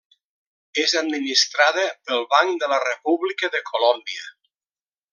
És administrada pel Banc de la República de Colòmbia.